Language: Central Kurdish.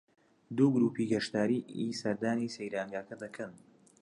دوو گرووپی گەشتیاری سەردانی سەیرانگەکە دەکەن